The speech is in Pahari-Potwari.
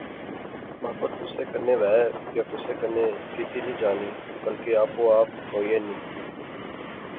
محبت کُسے کنے وہے یا کسے کنےکتی نی جانی بلکہ آپو آپ ہوئی اینی